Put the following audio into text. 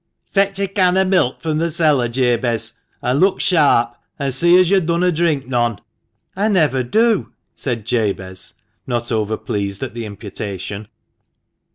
" Fetch a can of milk from the cellar, Jabez ; an' look sharp, An' see as yo' dunna drink none!" "I never do," said Jabez, not overpleased at the imputation.